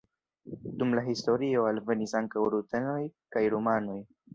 Dum la historio alvenis ankaŭ rutenoj kaj rumanoj.